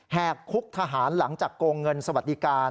หากคุกทหารหลังจากโกงเงินสวัสดิการ